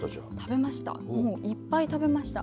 食べました。